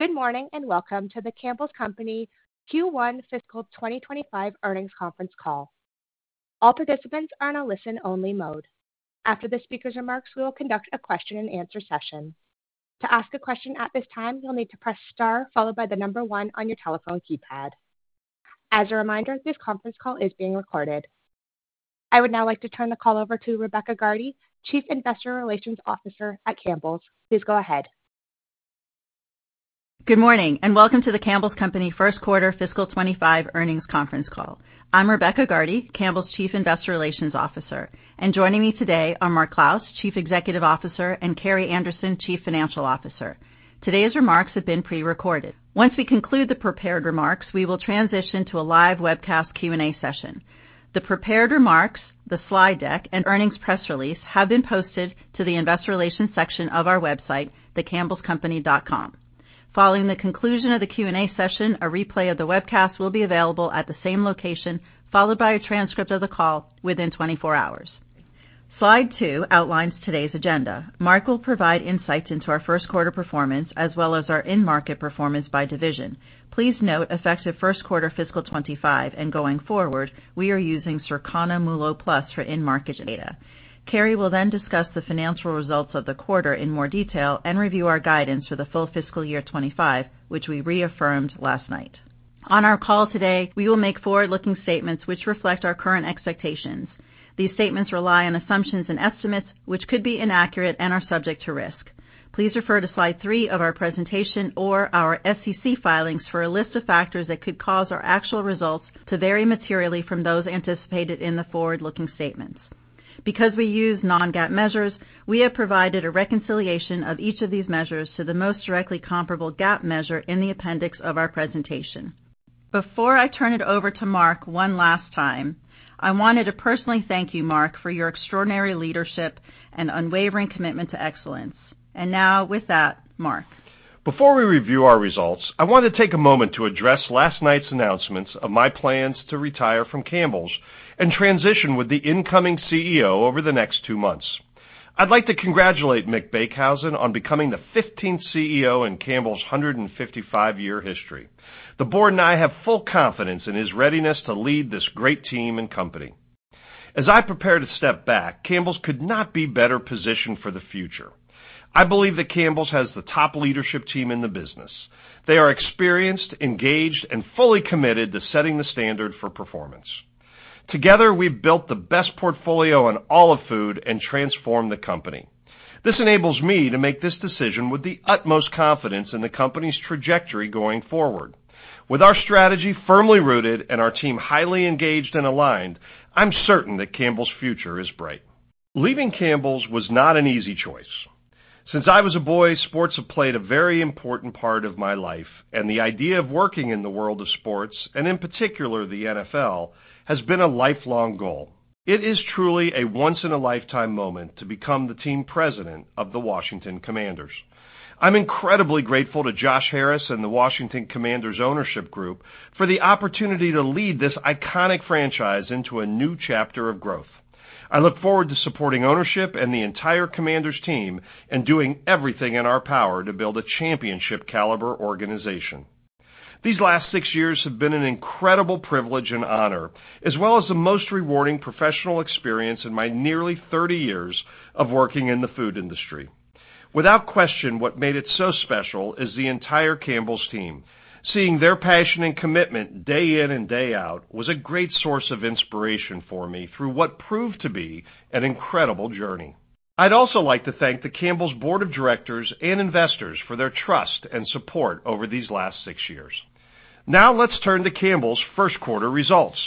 Good morning and welcome to The Campbell's Company Q1 fiscal 2025 earnings conference call. All participants are in a listen-only mode. After the speaker's remarks, we will conduct a question-and-answer session. To ask a question at this time, you'll need to press star followed by the number one on your telephone keypad. As a reminder, this conference call is being recorded. I would now like to turn the call over to Rebecca Gardy, Chief Investor Relations Officer at The Campbell's Company. Please go ahead. Good morning and welcome to The Campbell's Company first quarter fiscal 2025 earnings conference call. I'm Rebecca Gardy, Campbell's Chief Investor Relations Officer, and joining me today are Mark Clouse, Chief Executive Officer, and Carrie Anderson, Chief Financial Officer. Today's remarks have been pre-recorded. Once we conclude the prepared remarks, we will transition to a live webcast Q&A session. The prepared remarks, the slide deck, and earnings press release have been posted to the Investor Relations section of our website, thecampbellscompany.com. Following the conclusion of the Q&A session, a replay of the webcast will be available at the same location followed by a transcript of the call within 24 hours. Slide two outlines today's agenda. Mark will provide insights into our first quarter performance as well as our in-market performance by division. Please note effective first quarter Fiscal 2025 and going forward, we are using Circana MULO+ for in-market data. Carrie will then discuss the financial results of the quarter in more detail and review our guidance for the full fiscal 2025, which we reaffirmed last night. On our call today, we will make forward-looking statements which reflect our current expectations. These statements rely on assumptions and estimates which could be inaccurate and are subject to risk. Please refer to slide three of our presentation or our SEC filings for a list of factors that could cause our actual results to vary materially from those anticipated in the forward-looking statements. Because we use non-GAAP measures, we have provided a reconciliation of each of these measures to the most directly comparable GAAP measure in the appendix of our presentation. Before I turn it over to Mark one last time, I wanted to personally thank you, Mark, for your extraordinary leadership and unwavering commitment to excellence, and now with that, Mark. Before we review our results, I want to take a moment to address last night's announcements of my plans to retire from Campbell's and transition with the incoming CEO over the next two months. I'd like to congratulate Mick Beekhuizen on becoming the 15th CEO in Campbell's 155-year history. The board and I have full confidence in his readiness to lead this great team and company. As I prepared to step back, Campbell's could not be better positioned for the future. I believe that Campbell's has the top leadership team in the business. They are experienced, engaged, and fully committed to setting the standard for performance. Together, we've built the best portfolio on all of food and transformed the company. This enables me to make this decision with the utmost confidence in the company's trajectory going forward. With our strategy firmly rooted and our team highly engaged and aligned, I'm certain that Campbell's future is bright. Leaving Campbell's was not an easy choice. Since I was a boy, sports have played a very important part of my life, and the idea of working in the world of sports, and in particular the NFL, has been a lifelong goal. It is truly a once-in-a-lifetime moment to become the team president of the Washington Commanders. I'm incredibly grateful to Josh Harris and the Washington Commanders Ownership Group for the opportunity to lead this iconic franchise into a new chapter of growth. I look forward to supporting ownership and the entire Commanders' team and doing everything in our power to build a championship-caliber organization. These last six years have been an incredible privilege and honor, as well as the most rewarding professional experience in my nearly 30 years of working in the food industry. Without question, what made it so special is the entire Campbell's team. Seeing their passion and commitment day in and day out was a great source of inspiration for me through what proved to be an incredible journey. I'd also like to thank the Campbell's Board of Directors and investors for their trust and support over these last six years. Now let's turn to Campbell's first quarter results.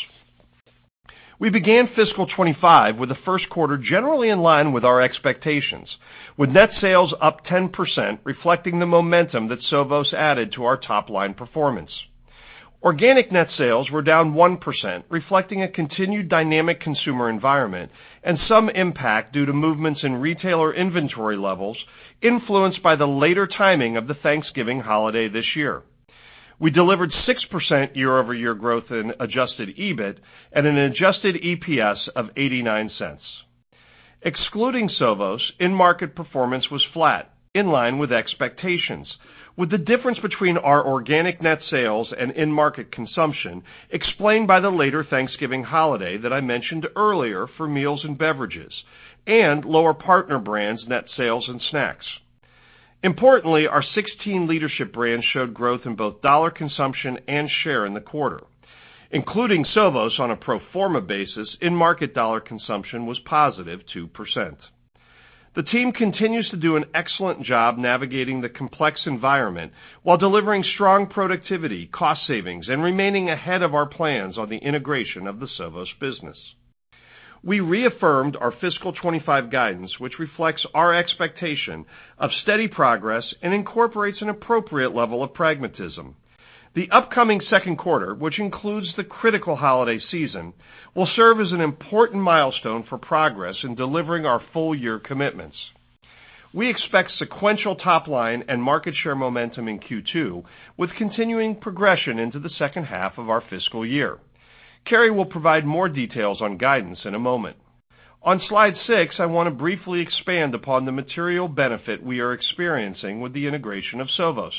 We began fiscal 2025 with the first quarter generally in line with our expectations, with net sales up 10%, reflecting the momentum that Sovos added to our top-line performance. Organic net sales were down 1%, reflecting a continued dynamic consumer environment and some impact due to movements in retailer inventory levels influenced by the later timing of the Thanksgiving holiday this year. We delivered 6% year-over-year growth in Adjusted EBIT and an Adjusted EPS of $0.89. Excluding Sovos, in-market performance was flat, in line with expectations, with the difference between our organic net sales and in-market consumption explained by the later Thanksgiving holiday that I mentioned earlier for Meals & Beverages and lower partner brands' net sales and Snacks. Importantly, our 16 leadership brands showed growth in both dollar consumption and share in the quarter, including Sovos on a pro forma basis. In-market dollar consumption was +2%. The team continues to do an excellent job navigating the complex environment while delivering strong productivity, cost savings, and remaining ahead of our plans on the integration of the Sovos business. We reaffirmed our fiscal 2025 guidance, which reflects our expectation of steady progress and incorporates an appropriate level of pragmatism. The upcoming second quarter, which includes the critical holiday season, will serve as an important milestone for progress in delivering our full-year commitments. We expect sequential top-line and market share momentum in Q2, with continuing progression into the second half of our fiscal year. Carrie will provide more details on guidance in a moment. On slide six, I want to briefly expand upon the material benefit we are experiencing with the integration of Sovos.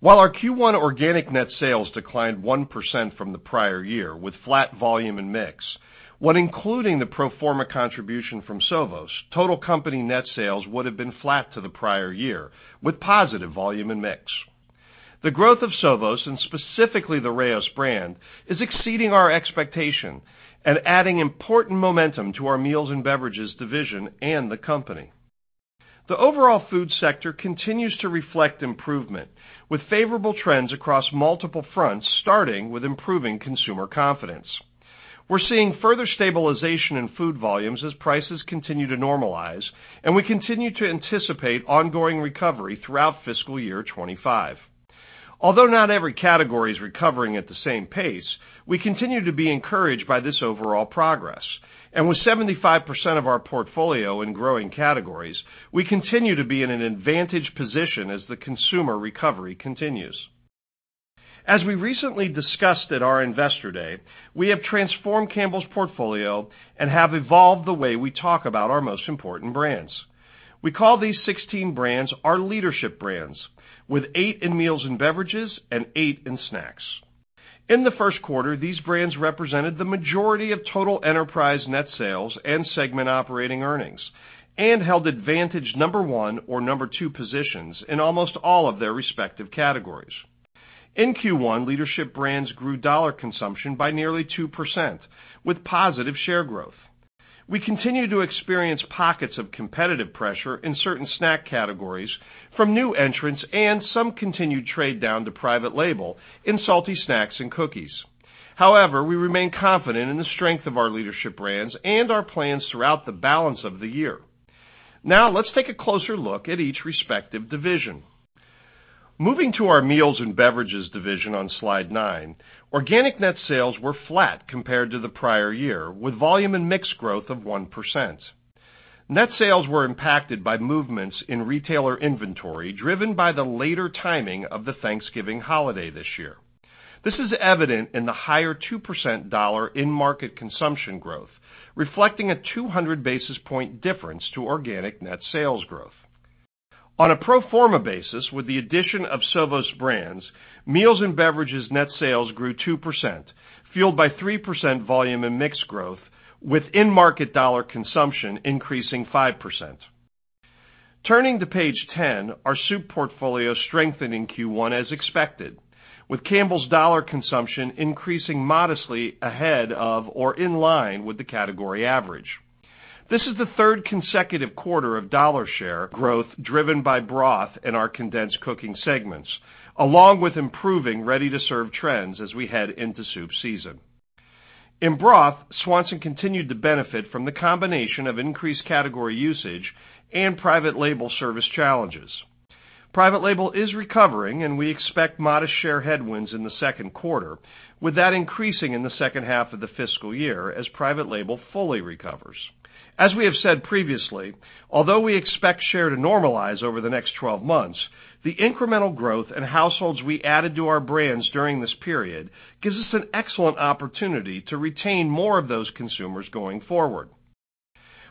While our Q1 organic net sales declined 1% from the prior year with flat volume and mix, when including the pro forma contribution from Sovos, total company net sales would have been flat to the prior year with positive volume and mix. The growth of Sovos, and specifically the Rao's brand, is exceeding our expectation and adding important momentum to our Meals & Beverages division and the company. The overall food sector continues to reflect improvement, with favorable trends across multiple fronts, starting with improving consumer confidence. We're seeing further stabilization in food volumes as prices continue to normalize, and we continue to anticipate ongoing recovery throughout fiscal 2025. Although not every category is recovering at the same pace, we continue to be encouraged by this overall progress. With 75% of our portfolio in growing categories, we continue to be in an advantage position as the consumer recovery continues. As we recently discussed at our investor day, we have transformed Campbell's portfolio and have evolved the way we talk about our most important brands. We call these 16 brands our leadership brands, with eight in Meals & Beverages and eight in snacks. In the first quarter, these brands represented the majority of total enterprise net sales and segment operating earnings and held advantage number one or number two positions in almost all of their respective categories. In Q1, leadership brands grew dollar consumption by nearly 2%, with positive share growth. We continue to experience pockets of competitive pressure in certain snack categories from new entrants and some continued trade down to private label in salty snacks and cookies. However, we remain confident in the strength of our leadership brands and our plans throughout the balance of the year. Now let's take a closer look at each respective division. Moving to our Meals & Beverages division on slide nine, organic net sales were flat compared to the prior year, with volume and mix growth of 1%. Net sales were impacted by movements in retailer inventory driven by the later timing of the Thanksgiving holiday this year. This is evident in the higher 2% dollar in-market consumption growth, reflecting a 200 basis points difference to organic net sales growth. On a pro forma basis, with the addition of Sovos brands, Meals & Beverages net sales grew 2%, fueled by 3% volume and mix growth, with in-market dollar consumption increasing 5%. Turning to page 10, our soup portfolio strengthened in Q1 as expected, with Campbell's dollar consumption increasing modestly ahead of or in line with the category average. This is the third consecutive quarter of dollar share growth driven by broth in our condensed cooking segments, along with improving ready-to-serve trends as we head into soup season. In broth, Swanson continued to benefit from the combination of increased category usage and private label service challenges. Private label is recovering, and we expect modest share headwinds in the second quarter, with that increasing in the second half of the fiscal year as private label fully recovers. As we have said previously, although we expect share to normalize over the next 12 months, the incremental growth and households we added to our brands during this period gives us an excellent opportunity to retain more of those consumers going forward.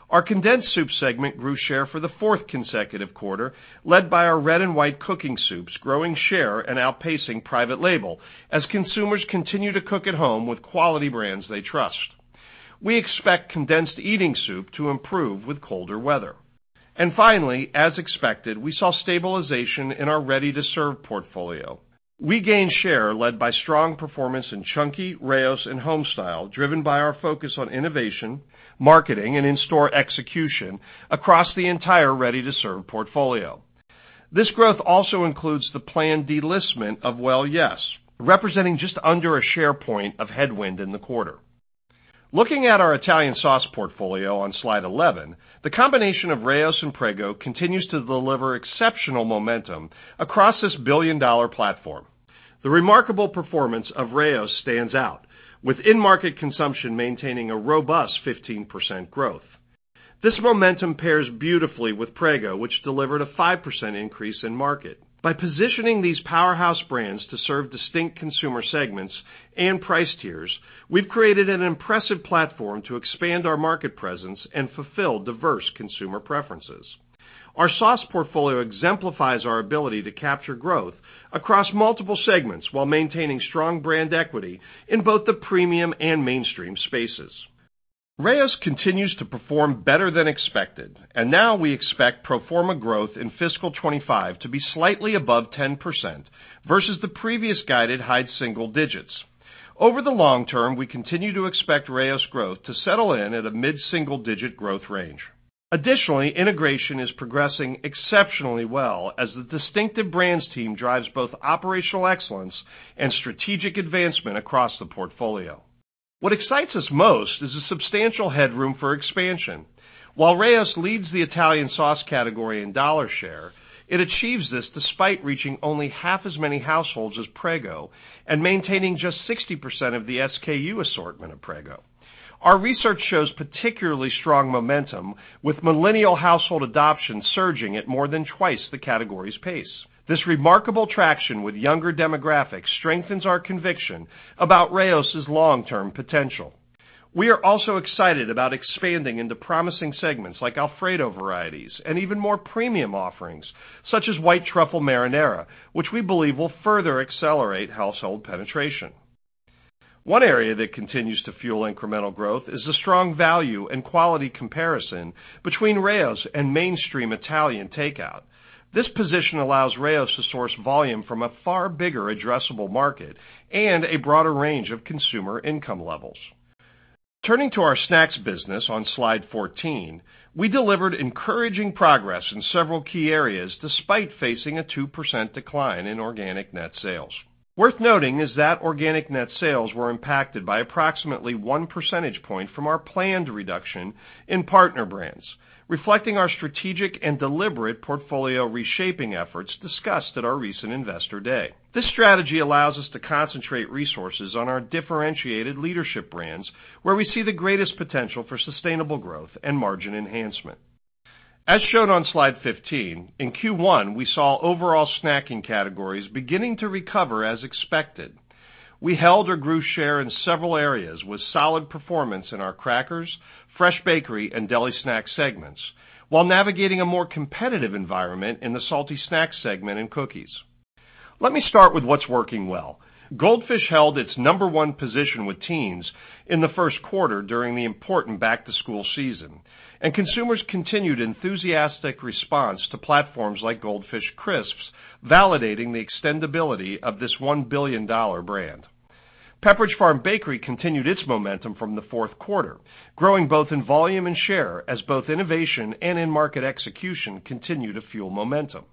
Our condensed soup segment grew share for the fourth consecutive quarter, led by our red and white cooking soups growing share and outpacing private label as consumers continue to cook at home with quality brands they trust. We expect condensed eating soup to improve with colder weather. And finally, as expected, we saw stabilization in our Ready-to-Serve portfolio. We gained share led by strong performance in Chunky, Rao's, and Homestyle, driven by our focus on innovation, marketing, and in-store execution across the entire Ready-to-Serve portfolio. This growth also includes the planned delisting of Well Yes!, representing just under a share point of headwind in the quarter. Looking at our Italian sauce portfolio on slide 11, the combination of Rao's and Prego continues to deliver exceptional momentum across this billion-dollar platform. The remarkable performance of Rao's stands out, with in-market consumption maintaining a robust 15% growth. This momentum pairs beautifully with Prego, which delivered a 5% increase in market. By positioning these powerhouse brands to serve distinct consumer segments and price tiers, we've created an impressive platform to expand our market presence and fulfill diverse consumer preferences. Our sauce portfolio exemplifies our ability to capture growth across multiple segments while maintaining strong brand equity in both the premium and mainstream spaces. Rao's continues to perform better than expected, and now we expect pro forma growth in fiscal 2025 to be slightly above 10% versus the previous guided high single digits. Over the long term, we continue to expect Rao's growth to settle in at a mid-single-digit growth range. Additionally, integration is progressing exceptionally well as the distinctive brands team drives both operational excellence and strategic advancement across the portfolio. What excites us most is the substantial headroom for expansion. While Rao's leads the Italian sauce category in dollar share, it achieves this despite reaching only half as many households as Prego and maintaining just 60% of the SKU assortment of Prego. Our research shows particularly strong momentum, with millennial household adoption surging at more than twice the category's pace. This remarkable traction with younger demographics strengthens our conviction about Rao's long-term potential. We are also excited about expanding into promising segments like Alfredo varieties and even more premium offerings such as white truffle marinara, which we believe will further accelerate household penetration. One area that continues to fuel incremental growth is the strong value and quality comparison between Rao's and mainstream Italian takeout. This position allows Rao's to source volume from a far bigger addressable market and a broader range of consumer income levels. Turning to our snacks business on slide 14, we delivered encouraging progress in several key areas despite facing a 2% decline in organic net sales. Worth noting is that organic net sales were impacted by approximately one percentage point from our planned reduction in partner brands, reflecting our strategic and deliberate portfolio reshaping efforts discussed at our recent investor day. This strategy allows us to concentrate resources on our differentiated leadership brands, where we see the greatest potential for sustainable growth and margin enhancement. As shown on slide 15, in Q1, we saw overall snacking categories beginning to recover as expected. We held or grew share in several areas with solid performance in our crackers, fresh bakery, and deli snack segments, while navigating a more competitive environment in the salty snack segment and cookies. Let me start with what's working well. Goldfish held its number one position with teens in the first quarter during the important back-to-school season, and consumers continued enthusiastic response to platforms like Goldfish Crisps, validating the extendability of this $1 billion brand. Pepperidge Farm Bakery continued its momentum from the fourth quarter, growing both in volume and share as both innovation and in-market execution continue to fuel momentum.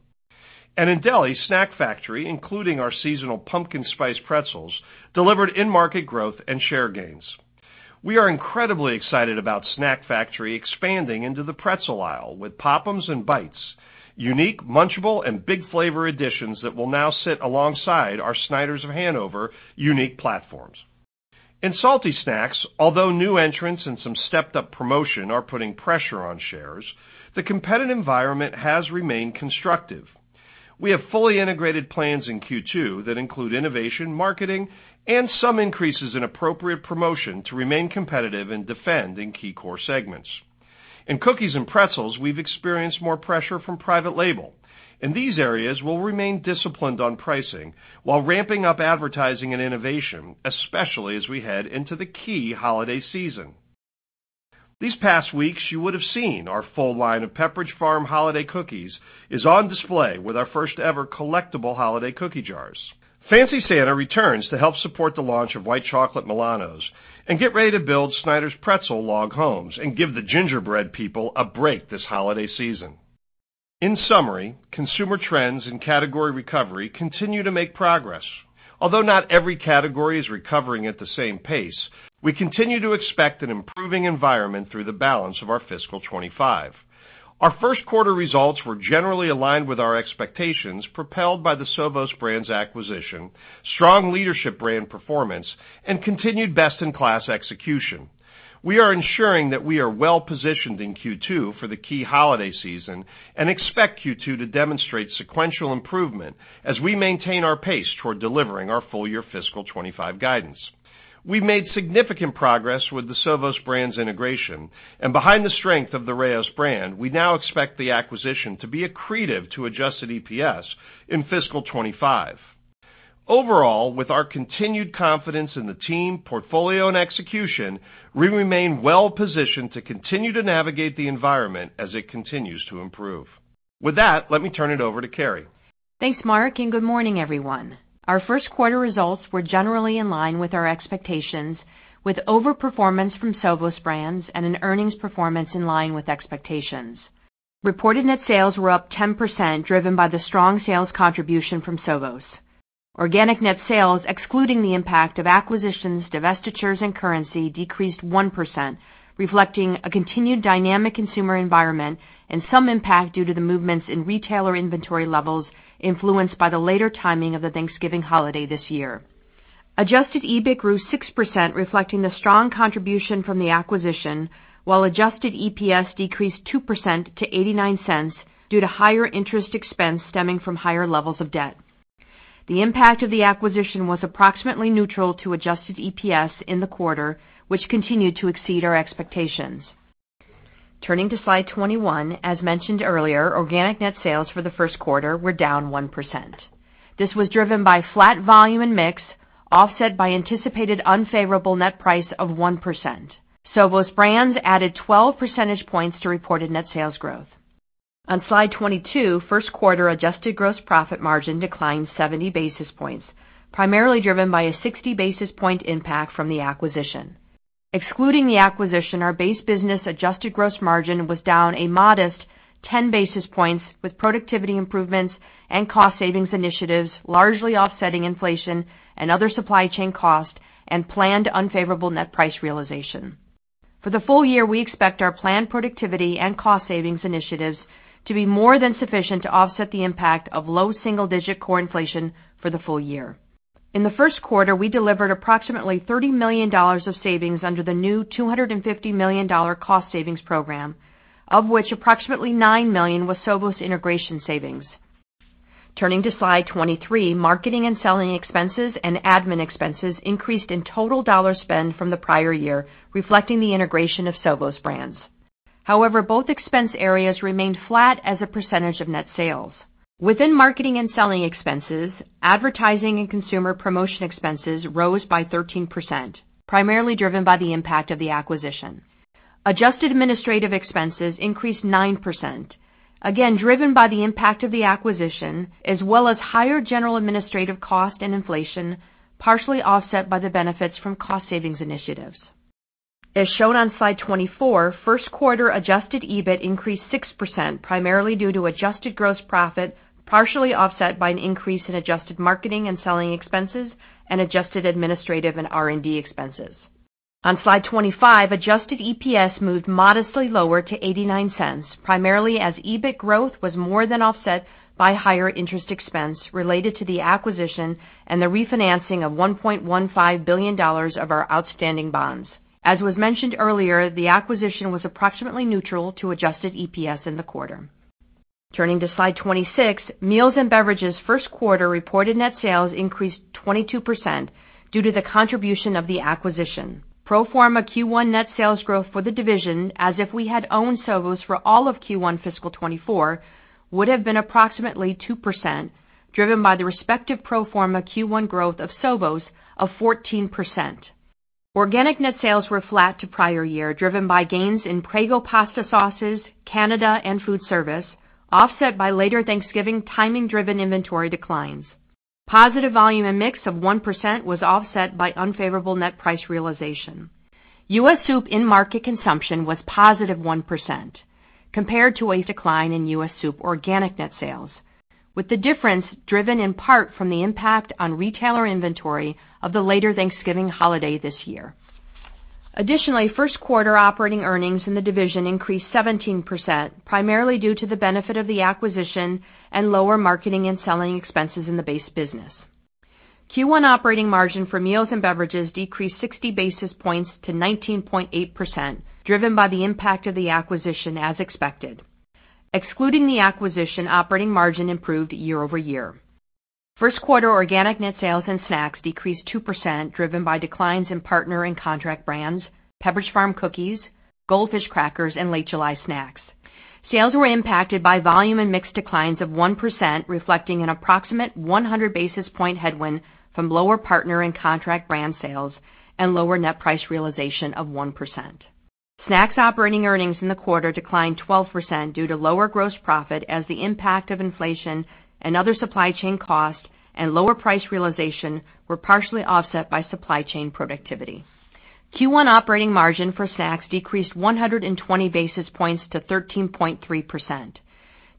And in Deli, Snack Factory, including our seasonal Pumpkin Spice Pretzels, delivered in-market growth and share gains. We are incredibly excited about Snack Factory expanding into the pretzel aisle with Pop'ums and Bites, unique munchable and big flavor additions that will now sit alongside our Snyder’s of Hanover unique platforms. In salty snacks, although new entrants and some stepped-up promotion are putting pressure on shares, the competitive environment has remained constructive. We have fully integrated plans in Q2 that include innovation, marketing, and some increases in appropriate promotion to remain competitive and defend in key core segments. In cookies and pretzels, we've experienced more pressure from private label. In these areas, we'll remain disciplined on pricing while ramping up advertising and innovation, especially as we head into the key holiday season. These past weeks, you would have seen our full line of Pepperidge Farm holiday cookies is on display with our first-ever collectible holiday cookie jars. Fancy Santa returns to help support the launch of White Chocolate Milanos and get ready to build Snyder's pretzel log homes and give the gingerbread people a break this holiday season. In summary, consumer trends and category recovery continue to make progress. Although not every category is recovering at the same pace, we continue to expect an improving environment through the balance of our fiscal 2025. Our first quarter results were generally aligned with our expectations, propelled by the Sovos Brands acquisition, strong leadership brand performance, and continued best-in-class execution. We are ensuring that we are well positioned in Q2 for the key holiday season and expect Q2 to demonstrate sequential improvement as we maintain our pace toward delivering our full-year fiscal 2025 guidance. We've made significant progress with the Sovos Brands integration, and behind the strength of the Rao's brand, we now expect the acquisition to be accretive to Adjusted EPS in fiscal 2025. Overall, with our continued confidence in the team, portfolio, and execution, we remain well positioned to continue to navigate the environment as it continues to improve. With that, let me turn it over to Carrie. Thanks, Mark, and good morning, everyone. Our first quarter results were generally in line with our expectations, with overperformance from Sovos Brands and an earnings performance in line with expectations. Reported net sales were up 10%, driven by the strong sales contribution from Sovos. Organic net sales, excluding the impact of acquisitions, divestitures, and currency, decreased 1%, reflecting a continued dynamic consumer environment and some impact due to the movements in retailer inventory levels influenced by the later timing of the Thanksgiving holiday this year. Adjusted EBIT grew 6%, reflecting the strong contribution from the acquisition, while adjusted EPS decreased 2% to $0.89 due to higher interest expense stemming from higher levels of debt. The impact of the acquisition was approximately neutral to adjusted EPS in the quarter, which continued to exceed our expectations. Turning to slide 21, as mentioned earlier, organic net sales for the first quarter were down 1%. This was driven by flat volume and mix, offset by anticipated unfavorable net price of 1%. Sovos Brands added 12 percentage points to reported net sales growth. On slide 22, first quarter adjusted gross profit margin declined 70 basis points, primarily driven by a 60 basis point impact from the acquisition. Excluding the acquisition, our base business adjusted gross margin was down a modest 10 basis points, with productivity improvements and cost savings initiatives largely offsetting inflation and other supply chain costs and planned unfavorable net price realization. For the full year, we expect our planned productivity and cost savings initiatives to be more than sufficient to offset the impact of low single-digit core inflation for the full year. In the first quarter, we delivered approximately $30 million of savings under the new $250 million cost savings program, of which approximately nine million was Sovos' integration savings. Turning to slide 23, marketing and selling expenses and admin expenses increased in total dollar spend from the prior year, reflecting the integration of Sovos' brands. However, both expense areas remained flat as a percentage of net sales. Within marketing and selling expenses, advertising and consumer promotion expenses rose by 13%, primarily driven by the impact of the acquisition. Adjusted administrative expenses increased 9%, again driven by the impact of the acquisition, as well as higher general administrative cost and inflation, partially offset by the benefits from cost savings initiatives. As shown on slide 24, first quarter adjusted EBIT increased 6%, primarily due to adjusted gross profit, partially offset by an increase in adjusted marketing and selling expenses and adjusted administrative and R&D expenses. On slide 25, adjusted EPS moved modestly lower to $0.89, primarily as EBIT growth was more than offset by higher interest expense related to the acquisition and the refinancing of $1.15 billion of our outstanding bonds. As was mentioned earlier, the acquisition was approximately neutral to adjusted EPS in the quarter. Turning to slide 26, Meals & Beverages first quarter reported net sales increased 22% due to the contribution of the acquisition. Pro forma Q1 net sales growth for the division, as if we had owned Sovos for all of Q1 fiscal 24, would have been approximately 2%, driven by the respective pro forma Q1 growth of Sovos of 14%. Organic net sales were flat to prior year, driven by gains in Prego pasta sauces, Canada, and food service, offset by later Thanksgiving timing-driven inventory declines. Positive volume and mix of 1% was offset by unfavorable net price realization. U.S. soup in-market consumption was positive 1%, compared to a decline in U.S. soup organic net sales, with the difference driven in part from the impact on retailer inventory of the later Thanksgiving holiday this year. Additionally, first quarter operating earnings in the division increased 17%, primarily due to the benefit of the acquisition and lower marketing and selling expenses in the base business. Q1 operating margin for Meals & Beverages decreased 60 basis points to 19.8%, driven by the impact of the acquisition as expected. Excluding the acquisition, operating margin improved year-over-year. First quarter organic net sales and snacks decreased 2%, driven by declines in partner and contract brands, Pepperidge Farm cookies, Goldfish crackers, and Late July snacks. Sales were impacted by volume and mix declines of 1%, reflecting an approximate 100 basis points headwind from lower partner and contract brand sales and lower net price realization of 1%. Snacks operating earnings in the quarter declined 12% due to lower gross profit as the impact of inflation and other supply chain costs and lower price realization were partially offset by supply chain productivity. Q1 operating margin for snacks decreased 120 basis points to 13.3%.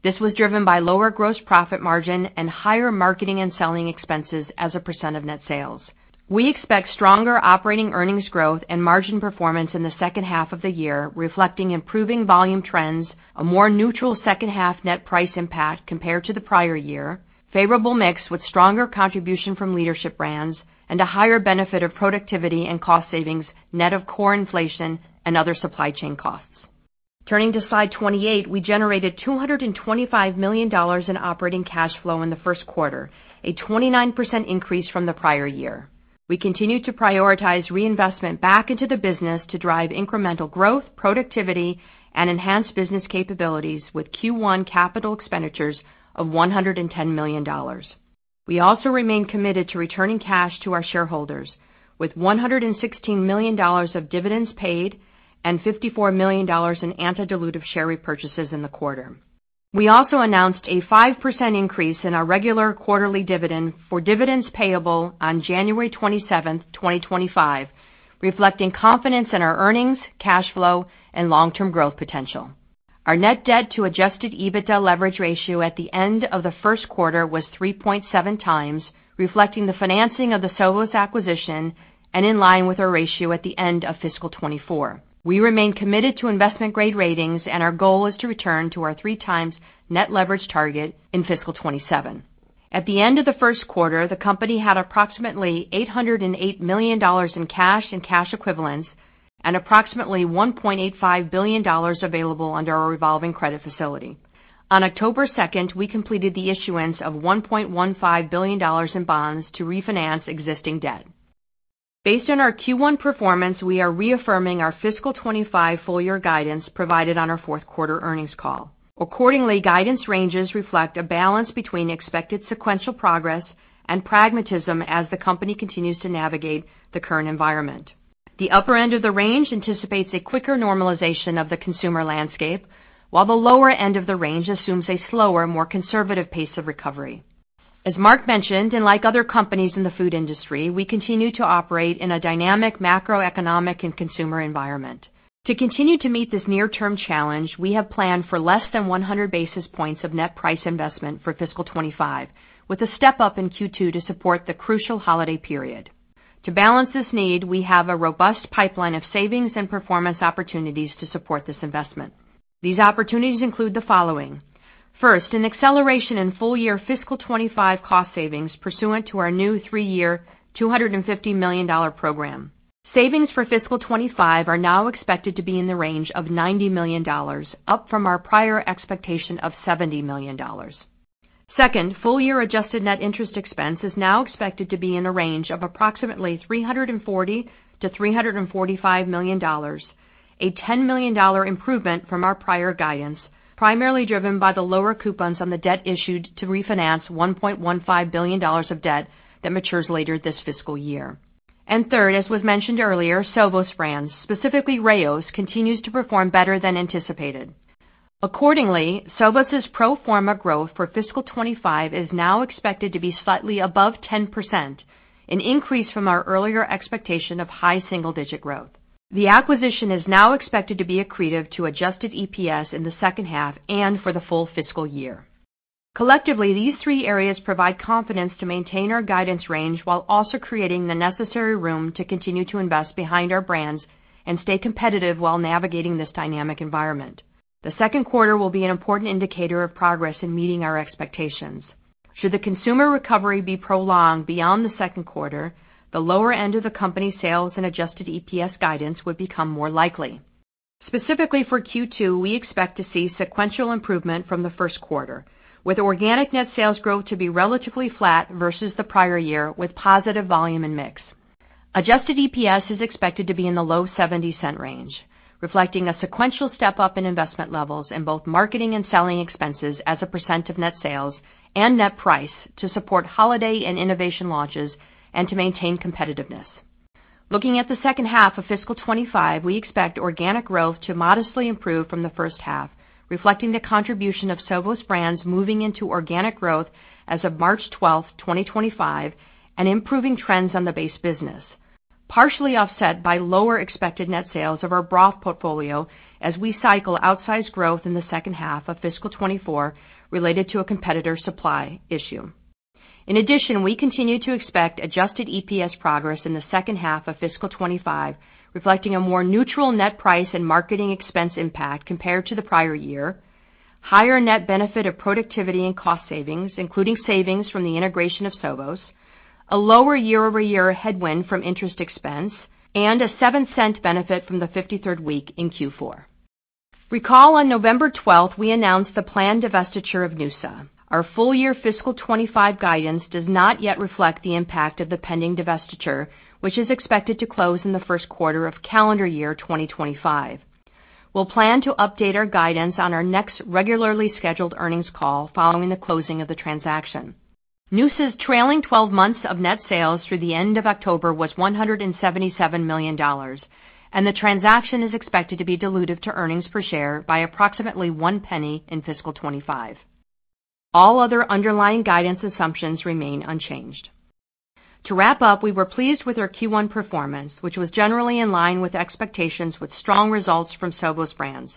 This was driven by lower gross profit margin and higher marketing and selling expenses as a percent of net sales. We expect stronger operating earnings growth and margin performance in the second half of the year, reflecting improving volume trends, a more neutral second half net price impact compared to the prior year, favorable mix with stronger contribution from leadership brands, and a higher benefit of productivity and cost savings net of core inflation and other supply chain costs. Turning to slide 28, we generated $225 million in operating cash flow in the first quarter, a 29% increase from the prior year. We continue to prioritize reinvestment back into the business to drive incremental growth, productivity, and enhanced business capabilities with Q1 capital expenditures of $110 million. We also remain committed to returning cash to our shareholders, with $116 million of dividends paid and $54 million in anti-dilutive share repurchases in the quarter. We also announced a 5% increase in our regular quarterly dividend for dividends payable on January 27th, 2025, reflecting confidence in our earnings, cash flow, and long-term growth potential. Our net debt to adjusted EBITDA leverage ratio at the end of the first quarter was 3.7 times, reflecting the financing of the Sovos acquisition and in line with our ratio at the end of fiscal 2024. We remain committed to investment-grade ratings, and our goal is to return to our three-times net leverage target in fiscal 2027. At the end of the first quarter, the company had approximately $808 million in cash and cash equivalents and approximately $1.85 billion available under our revolving credit facility. On October 2, we completed the issuance of $1.15 billion in bonds to refinance existing debt. Based on our Q1 performance, we are reaffirming our fiscal 2025 full-year guidance provided on our fourth quarter earnings call. Accordingly, guidance ranges reflect a balance between expected sequential progress and pragmatism as the company continues to navigate the current environment. The upper end of the range anticipates a quicker normalization of the consumer landscape, while the lower end of the range assumes a slower, more conservative pace of recovery. As Mark mentioned, and like other companies in the food industry, we continue to operate in a dynamic macroeconomic and consumer environment. To continue to meet this near-term challenge, we have planned for less than 100 basis points of net price investment for fiscal 2025, with a step-up in Q2 to support the crucial holiday period. To balance this need, we have a robust pipeline of savings and performance opportunities to support this investment. These opportunities include the following. First, an acceleration in full-year fiscal 2025 cost savings pursuant to our new three-year $250 million program. Savings for fiscal 2025 are now expected to be in the range of $90 million, up from our prior expectation of $70 million. Second, full-year adjusted net interest expense is now expected to be in the range of approximately $340 million-$345 million, a $10 million improvement from our prior guidance, primarily driven by the lower coupons on the debt issued to refinance $1.15 billion of debt that matures later this fiscal year. And third, as was mentioned earlier, Sovos Brands, specifically Rao's, continues to perform better than anticipated. Accordingly, Sovos pro forma growth for fiscal 2025 is now expected to be slightly above 10%, an increase from our earlier expectation of high single-digit growth. The acquisition is now expected to be accretive to adjusted EPS in the second half and for the full fiscal year. Collectively, these three areas provide confidence to maintain our guidance range while also creating the necessary room to continue to invest behind our brands and stay competitive while navigating this dynamic environment. The second quarter will be an important indicator of progress in meeting our expectations. Should the consumer recovery be prolonged beyond the second quarter, the lower end of the company sales and adjusted EPS guidance would become more likely. Specifically for Q2, we expect to see sequential improvement from the first quarter, with organic net sales growth to be relatively flat versus the prior year with positive volume and mix. Adjusted EPS is expected to be in the low $0.70 range, reflecting a sequential step-up in investment levels in both marketing and selling expenses as a percent of net sales and net price to support holiday and innovation launches and to maintain competitiveness. Looking at the second half of fiscal 2025, we expect organic growth to modestly improve from the first half, reflecting the contribution of Sovos Brands moving into organic growth as of March 12th, 2025, and improving trends on the base business, partially offset by lower expected net sales of our broth portfolio as we cycle outsized growth in the second half of fiscal 2024 related to a competitor supply issue. In addition, we continue to expect adjusted EPS progress in the second half of fiscal 2025, reflecting a more neutral net price and marketing expense impact compared to the prior year, higher net benefit of productivity and cost savings, including savings from the integration of Sovos, a lower year-over-year headwind from interest expense, and a $0.07 benefit from the 53rd week in Q4. Recall on November 12th, we announced the planned divestiture of Noosa. Our full-year fiscal 2025 guidance does not yet reflect the impact of the pending divestiture, which is expected to close in the first quarter of calendar year 2025. We'll plan to update our guidance on our next regularly scheduled earnings call following the closing of the transaction. Noosa's trailing 12 months of net sales through the end of October was $177 million, and the transaction is expected to be diluted to earnings per share by approximately $0.01 in fiscal 2025. All other underlying guidance assumptions remain unchanged. To wrap up, we were pleased with our Q1 performance, which was generally in line with expectations with strong results from Sovos Brands.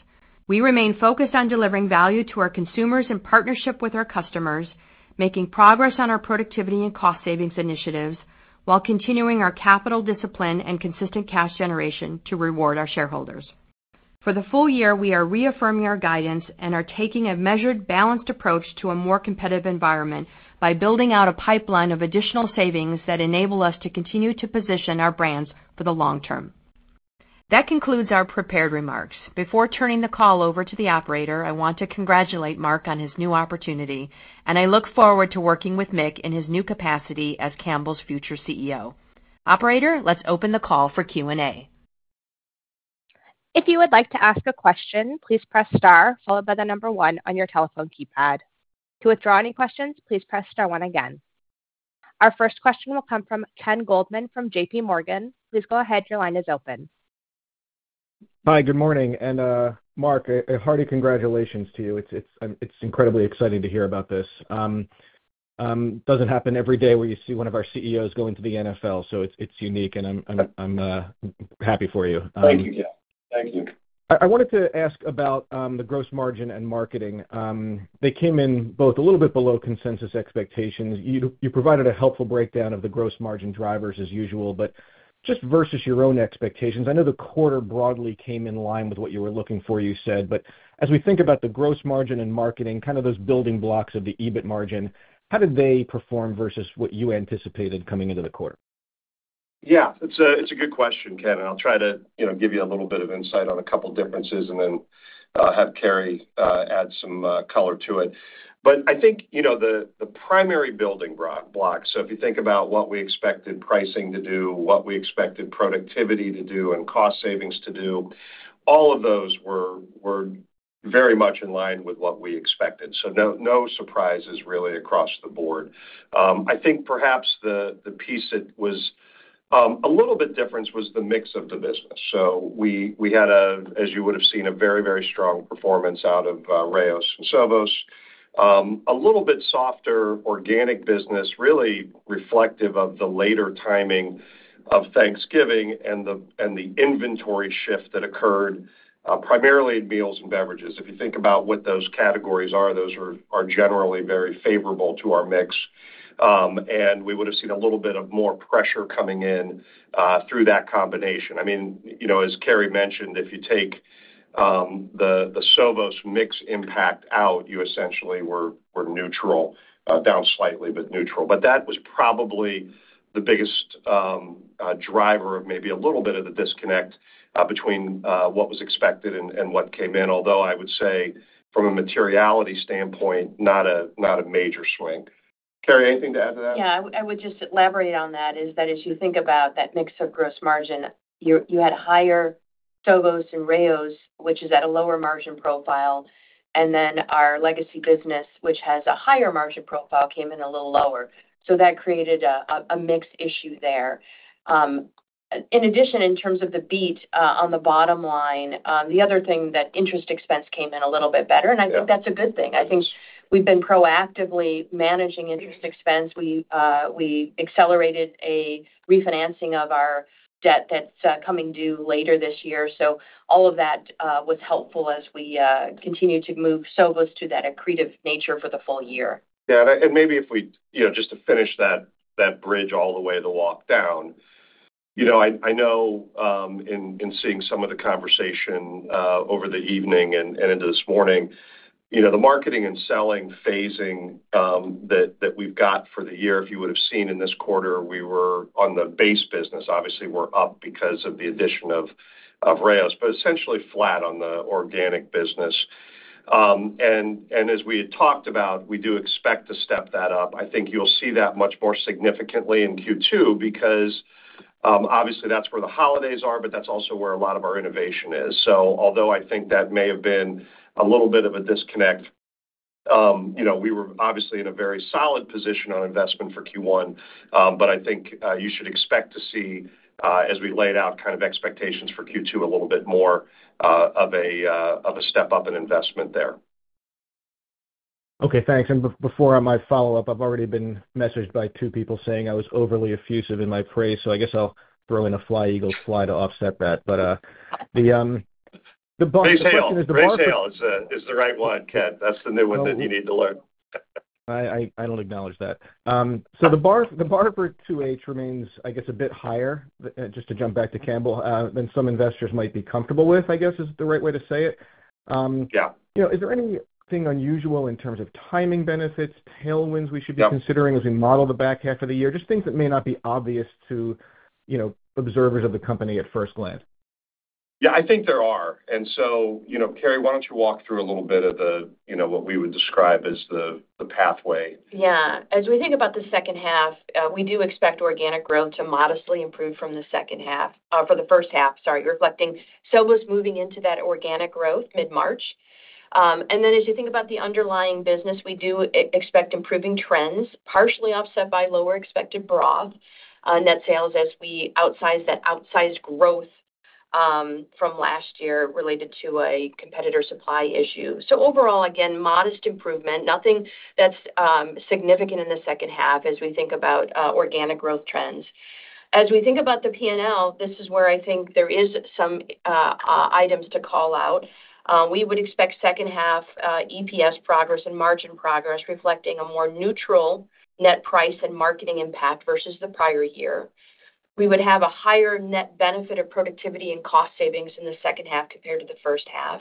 We remain focused on delivering value to our consumers in partnership with our customers, making progress on our productivity and cost savings initiatives while continuing our capital discipline and consistent cash generation to reward our shareholders. For the full year, we are reaffirming our guidance and are taking a measured, balanced approach to a more competitive environment by building out a pipeline of additional savings that enable us to continue to position our brands for the long term. That concludes our prepared remarks. Before turning the call over to the operator, I want to congratulate Mark on his new opportunity, and I look forward to working with Mick in his new capacity as Campbell's future CEO. Operator, let's open the call for Q&A. If you would like to ask a question, please press star followed by the number one on your telephone keypad. To withdraw any questions, please press star one again. Our first question will come from Ken Goldman from JPMorgan. Please go ahead. Your line is open. Hi, good morning. And Mark, hearty congratulations to you. It's incredibly exciting to hear about this. It doesn't happen every day where you see one of our CEOs go into the NFL, so it's unique, and I'm happy for you. Thank you. I wanted to ask about the gross margin and marketing. They came in both a little bit below consensus expectations. You provided a helpful breakdown of the gross margin drivers as usual, but just versus your own expectations. I know the quarter broadly came in line with what you were looking for, you said, but as we think about the gross margin and marketing, kind of those building blocks of the EBIT margin, how did they perform versus what you anticipated coming into the quarter? Yeah, it's a good question, Ken. I'll try to give you a little bit of insight on a couple of differences and then have Carrie add some color to it. But I think the primary building blocks, so if you think about what we expected pricing to do, what we expected productivity to do, and cost savings to do, all of those were very much in line with what we expected. So no surprises really across the board. I think perhaps the piece that was a little bit different was the mix of the business. So we had, as you would have seen, a very, very strong performance out of Rao's and Sovos, a little bit softer organic business, really reflective of the later timing of Thanksgiving and the inventory shift that occurred primarily in Meals & Beverages. If you think about what those categories are, those are generally very favorable to our mix, and we would have seen a little bit of more pressure coming in through that combination. I mean, as Carrie mentioned, if you take the Sovos mix impact out, you essentially were neutral, down slightly, but neutral. But that was probably the biggest driver of maybe a little bit of the disconnect between what was expected and what came in, although I would say from a materiality standpoint, not a major swing. Carrie, anything to add to that? Yeah, I would just elaborate on that, that as you think about that mix of gross margin, you had higher Sovos and Rao's, which is at a lower margin profile, and then our legacy business, which has a higher margin profile, came in a little lower. So that created a mixed issue there. In addition, in terms of the beat on the bottom line, the other thing that interest expense came in a little bit better, and I think that's a good thing. I think we've been proactively managing interest expense. We accelerated a refinancing of our debt that's coming due later this year. So all of that was helpful as we continued to move Sovos to that accretive nature for the full year. Yeah, and maybe if we just to finish that bridge all the way to lock down. I know in seeing some of the conversation over the evening and into this morning, the marketing and selling phasing that we've got for the year. If you would have seen in this quarter, we were on the base business. Obviously, we're up because of the addition of Rao's, but essentially flat on the organic business. And as we had talked about, we do expect to step that up. I think you'll see that much more significantly in Q2 because obviously that's where the holidays are, but that's also where a lot of our innovation is. So although I think that may have been a little bit of a disconnect, we were obviously in a very solid position on investment for Q1, but I think you should expect to see, as we laid out kind of expectations for Q2, a little bit more of a step-up in investment there. Okay, thanks. And before I might follow up, I've already been messaged by two people saying I was overly effusive in my praise, so I guess I'll throw in a Fly, Eagles Fly to offset that. But the buzz question is the bar? They say, "They say, 'Is the right one, Ken.'" That's the new one that you need to learn. I don't acknowledge that. So the bar for 2H remains, I guess, a bit higher, just to jump back to Campbell, than some investors might be comfortable with, I guess, is the right way to say it. Is there anything unusual in terms of timing benefits, tailwinds we should be considering as we model the back half of the year, just things that may not be obvious to observers of the company at first glance? Yeah, I think there are. And so, Carrie, why don't you walk through a little bit of what we would describe as the pathway? Yeah. As we think about the second half, we do expect organic growth to modestly improve from the second half for the first half. Sorry, you're reflecting Sovos moving into that organic growth mid-March. And then as you think about the underlying business, we do expect improving trends, partially offset by lower expected broth net sales as we lap that outsized growth from last year related to a competitor supply issue. So overall, again, modest improvement, nothing that's significant in the second half as we think about organic growth trends. As we think about the P&L, this is where I think there are some items to call out. We would expect second half EPS progress and margin progress reflecting a more neutral net price and marketing impact versus the prior year. We would have a higher net benefit of productivity and cost savings in the second half compared to the first half.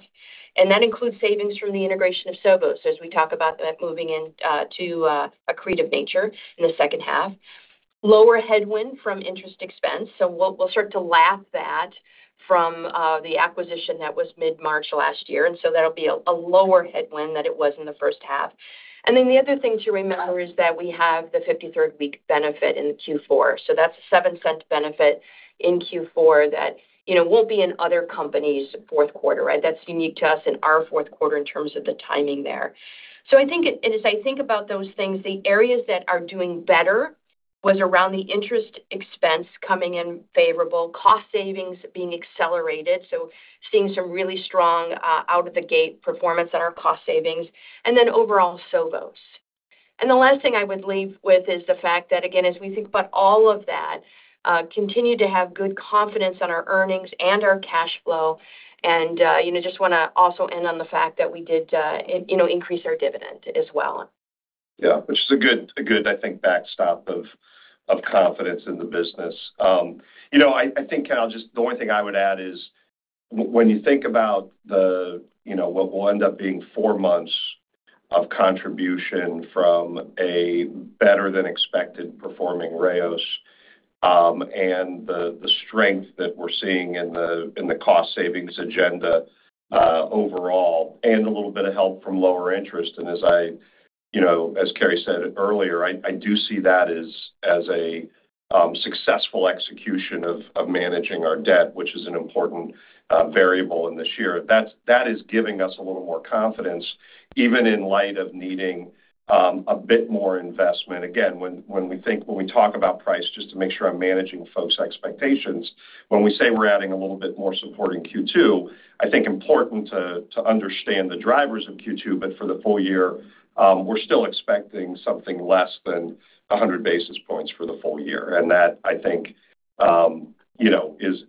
And that includes savings from the integration of Sovos, as we talk about that moving into accretive nature in the second half. Lower headwind from interest expense. We'll start to lap that from the acquisition that was mid-March last year. And so that'll be a lower headwind than it was in the first half. And then the other thing to remember is that we have the 53rd week benefit in Q4. So that's a $0.07 benefit in Q4 that won't be in other companies' fourth quarter, right? That's unique to us in our fourth quarter in terms of the timing there. So I think as I think about those things, the areas that are doing better was around the interest expense coming in favorable, cost savings being accelerated, so seeing some really strong out-of-the-gate performance on our cost savings, and then overall Sovos. And the last thing I would leave with is the fact that, again, as we think about all of that, continue to have good confidence on our earnings and our cash flow. And I just want to also end on the fact that we did increase our dividend as well. Yeah, which is a good, I think, backstop of confidence in the business. I think the only thing I would add is when you think about what will end up being four months of contribution from a better-than-expected-performing Rao's and the strength that we're seeing in the cost savings agenda overall, and a little bit of help from lower interest. And as Carrie said earlier, I do see that as a successful execution of managing our debt, which is an important variable in this year. That is giving us a little more confidence, even in light of needing a bit more investment. Again, when we talk about price, just to make sure I'm managing folks' expectations, when we say we're adding a little bit more support in Q2, I think it's important to understand the drivers of Q2, but for the full year, we're still expecting something less than 100 basis points for the full year. And that, I think,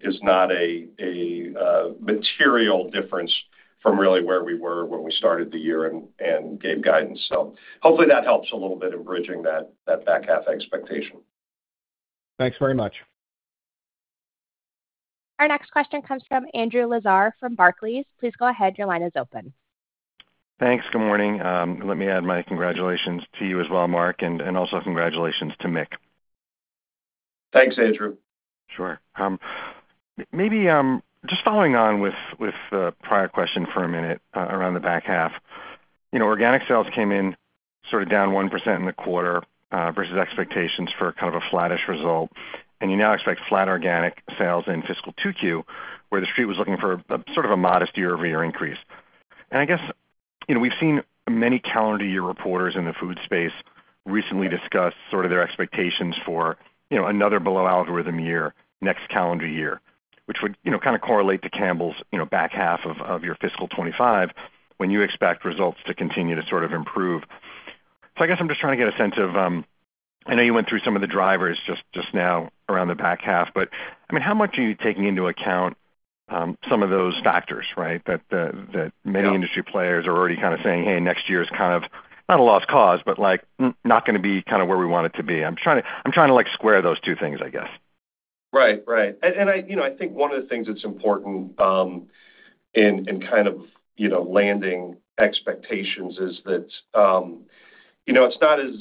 is not a material difference from really where we were when we started the year and gave guidance. So hopefully that helps a little bit in bridging that back half expectation. Thanks very much. Our next question comes from Andrew Lazar from Barclays. Please go ahead. Your line is open. Thanks. Good morning. Let me add my congratulations to you as well, Mark, and also congratulations to Mick. Thanks, Andrew. Sure. Maybe just following on with the prior question for a minute around the back half. Organic sales came in sort of down 1% in the quarter versus expectations for kind of a flattish result. And you now expect flat organic sales in fiscal 2Q, where the street was looking for sort of a modest year-over-year increase. And I guess we've seen many calendar year reporters in the food space recently discuss sort of their expectations for another below-algorithm year next calendar year, which would kind of correlate to Campbell's back half of your fiscal 25 when you expect results to continue to sort of improve. So I guess I'm just trying to get a sense of. I know you went through some of the drivers just now around the back half, but I mean, how much are you taking into account some of those factors, right, that many industry players are already kind of saying, "Hey, next year is kind of not a lost cause, but not going to be kind of where we want it to be"? I'm trying to square those two things, I guess. Right, right. And I think one of the things that's important in kind of landing expectations is that it's not as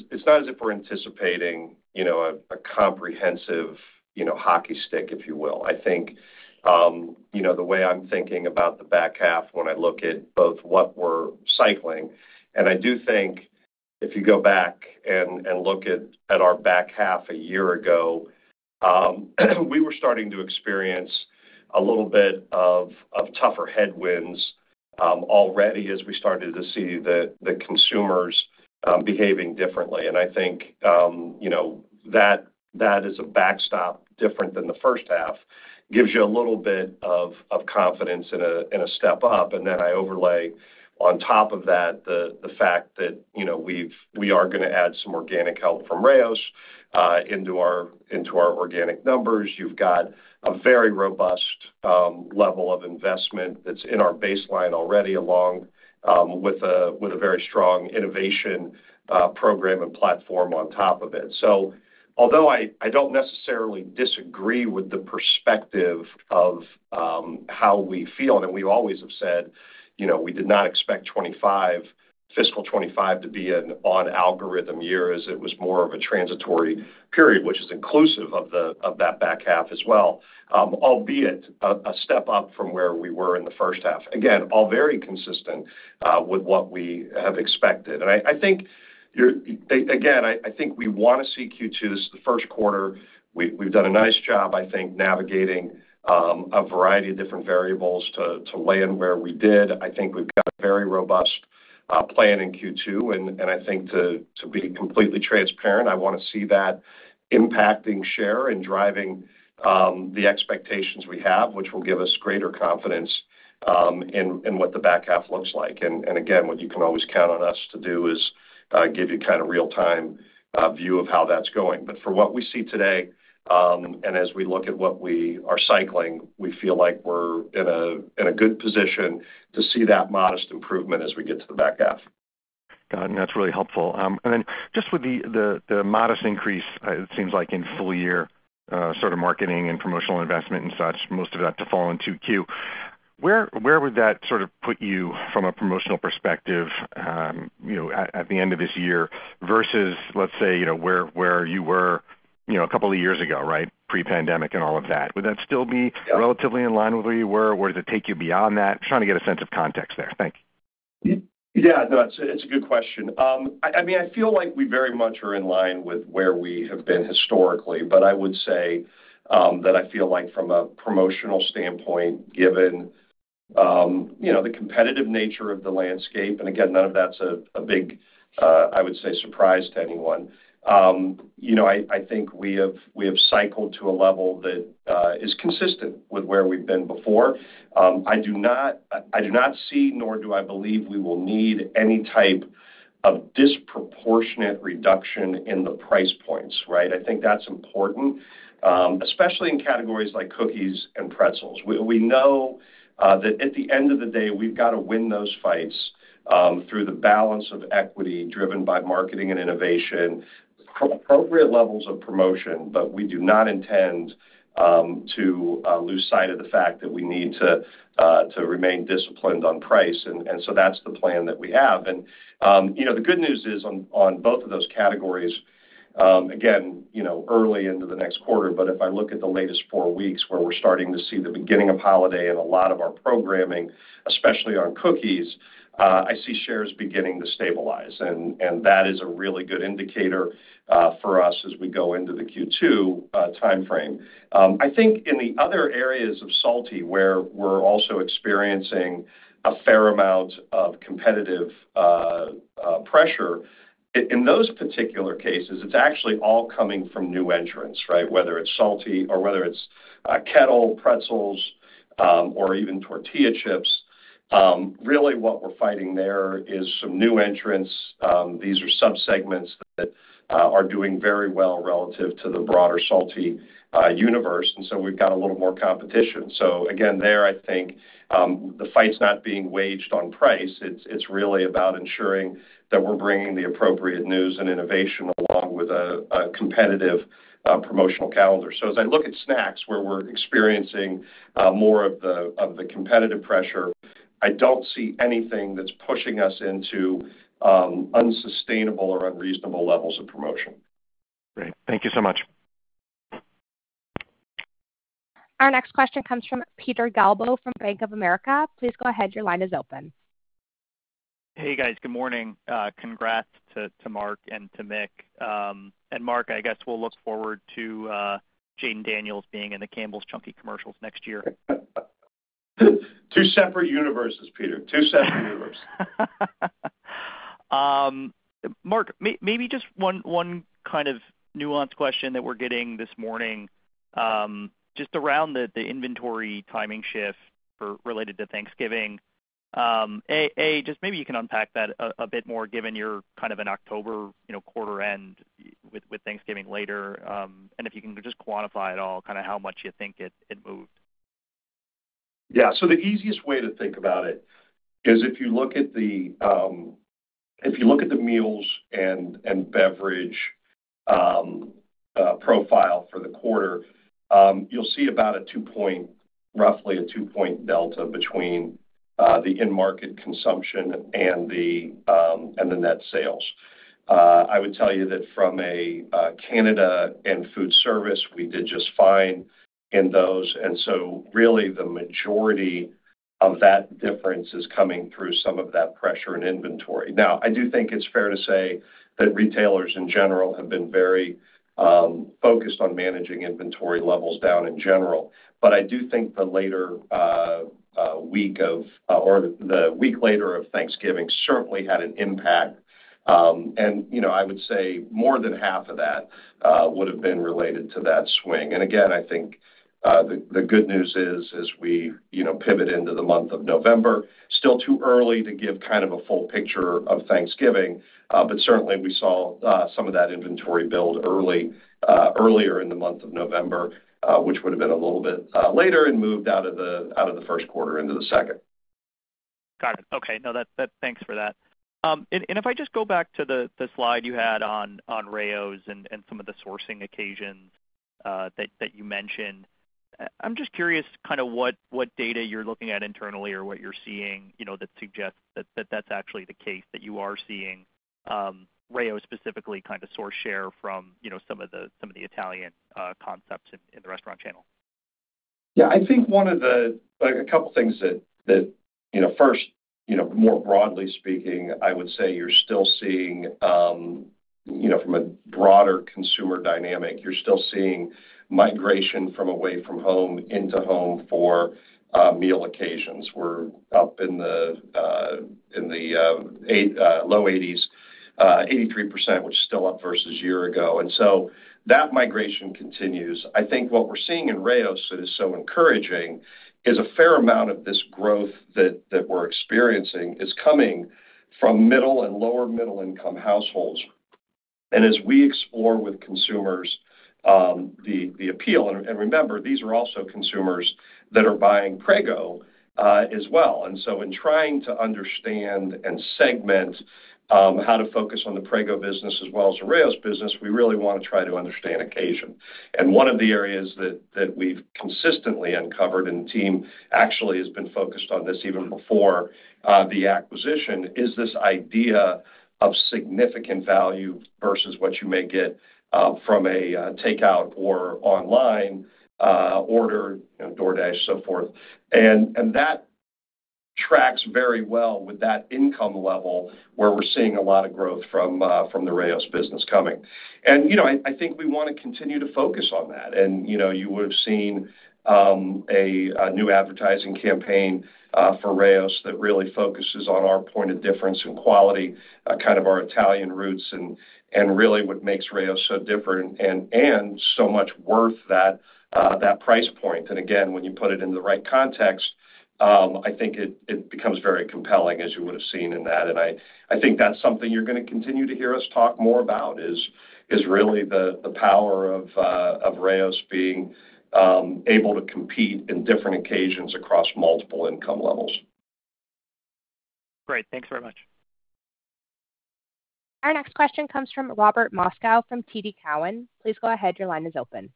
if we're anticipating a comprehensive hockey stick, if you will. I think the way I'm thinking about the back half when I look at both what we're cycling, and I do think if you go back and look at our back half a year ago, we were starting to experience a little bit of tougher headwinds already as we started to see the consumers behaving differently, and I think that as a backstop different than the first half gives you a little bit of confidence in a step up, and then I overlay on top of that the fact that we are going to add some organic help from Rao's into our organic numbers. You've got a very robust level of investment that's in our baseline already along with a very strong innovation program and platform on top of it. So although I don't necessarily disagree with the perspective of how we feel, and we always have said we did not expect fiscal 2025 to be an on-algorithm year as it was more of a transitory period, which is inclusive of that back half as well, albeit a step up from where we were in the first half. Again, all very consistent with what we have expected. And I think, again, I think we want to see Q2 as the first quarter. We've done a nice job, I think, navigating a variety of different variables to weigh in where we did. I think we've got a very robust plan in Q2. And I think to be completely transparent, I want to see that impacting share and driving the expectations we have, which will give us greater confidence in what the back half looks like. Again, what you can always count on us to do is give you kind of a real-time view of how that's going. But for what we see today, and as we look at what we are cycling, we feel like we're in a good position to see that modest improvement as we get to the back half. Got it. And that's really helpful. And then just with the modest increase, it seems like in full-year sort of marketing and promotional investment and such, most of that to fall in 2Q, where would that sort of put you from a promotional perspective at the end of this year versus, let's say, where you were a couple of years ago, right, pre-pandemic and all of that? Would that still be relatively in line with where you were? Or does it take you beyond that? I'm trying to get a sense of context there. Thank you. Yeah, no, it's a good question. I mean, I feel like we very much are in line with where we have been historically, but I would say that I feel like from a promotional standpoint, given the competitive nature of the landscape, and again, none of that's a big, I would say, surprise to anyone, I think we have cycled to a level that is consistent with where we've been before. I do not see, nor do I believe we will need any type of disproportionate reduction in the price points, right? I think that's important, especially in categories like cookies and pretzels. We know that at the end of the day, we've got to win those fights through the balance of equity driven by marketing and innovation, appropriate levels of promotion, but we do not intend to lose sight of the fact that we need to remain disciplined on price, and so that's the plan that we have, and the good news is on both of those categories, again, early into the next quarter, but if I look at the latest four weeks where we're starting to see the beginning of holiday and a lot of our programming, especially on cookies, I see shares beginning to stabilize, and that is a really good indicator for us as we go into the Q2 timeframe. I think in the other areas of salty where we're also experiencing a fair amount of competitive pressure, in those particular cases, it's actually all coming from new entrants, right? Whether it's salty or whether it's Kettle, pretzels, or even tortilla chips, really what we're fighting there is some new entrants. These are subsegments that are doing very well relative to the broader salty universe. And so we've got a little more competition. So again, there, I think the fight's not being waged on price. It's really about ensuring that we're bringing the appropriate news and innovation along with a competitive promotional calendar. So as I look at snacks where we're experiencing more of the competitive pressure, I don't see anything that's pushing us into unsustainable or unreasonable levels of promotion. Great. Thank you so much. Our next question comes from Peter Galbo from Bank of America. Please go ahead. Your line is open. Hey, guys. Good morning. Congrats to Mark and to Mick. And Mark, I guess we'll look forward to Jayden Daniels being in the Campbell's Chunky commercials next year. Two separate universes, Peter. Two separate universes. Mark, maybe just one kind of nuanced question that we're getting this morning just around the inventory timing shift related to Thanksgiving. A, just maybe you can unpack that a bit more given you're kind of in October quarter end with Thanksgiving later. And if you can just quantify at all kind of how much you think it moved. Yeah. So the easiest way to think about it is if you look at the meals and beverage profile for the quarter, you'll see about a two-point, roughly a two-point delta between the in-market consumption and the net sales. I would tell you that from a Canada and food service, we did just fine in those. And so really the majority of that difference is coming through some of that pressure in inventory. Now, I do think it's fair to say that retailers in general have been very focused on managing inventory levels down, in general. But I do think the later week of or the week later of Thanksgiving certainly had an impact. And I would say more than half of that would have been related to that swing. And again, I think the good news is as we pivot into the month of November, still too early to give kind of a full picture of Thanksgiving, but certainly we saw some of that inventory build earlier in the month of November, which would have been a little bit later and moved out of the first quarter into the second. Got it. Okay. No, thanks for that. And if I just go back to the slide you had on Rao's and some of the saucing occasions that you mentioned, I'm just curious kind of what data you're looking at internally or what you're seeing that suggests that that's actually the case that you are seeing Rao's specifically kind of sauce share from some of the Italian concepts in the restaurant channel. Yeah. I think one of a couple of things. First, more broadly speaking, I would say you're still seeing from a broader consumer dynamic, you're still seeing migration from away from home into home for meal occasions. We're up in the low 80s, 83%, which is still up versus a year ago. And so that migration continues. I think what we're seeing in Rao's that is so encouraging is a fair amount of this growth that we're experiencing is coming from middle and lower middle-income households. And as we explore with consumers the appeal, and remember, these are also consumers that are buying Prego as well. And so in trying to understand and segment how to focus on the Prego business as well as the Rao's business, we really want to try to understand occasion. And one of the areas that we've consistently uncovered and the team actually has been focused on this even before the acquisition is this idea of significant value versus what you may get from a takeout or online order, DoorDash, so forth. And that tracks very well with that income level where we're seeing a lot of growth from the Rao's business coming. And I think we want to continue to focus on that. And you would have seen a new advertising campaign for Rao's that really focuses on our point of difference and quality, kind of our Italian roots, and really what makes Rao's so different and so much worth that price point. And again, when you put it into the right context, I think it becomes very compelling as you would have seen in that. And I think that's something you're going to continue to hear us talk more about is really the power of Rao's being able to compete in different occasions across multiple income levels. Great. Thanks very much. Our next question comes from Robert Moskow from TD Cowen. Please go ahead. Your line is open.